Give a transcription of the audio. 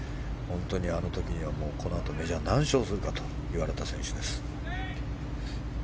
あの時にはこのあとメジャー何勝するかといわれた選手です。